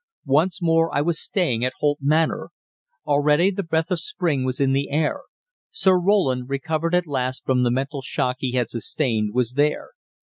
Once more I was staying at Holt Manor. Already the breath of spring was in the air. Sir Roland, recovered at last from the mental shock he had sustained, was there.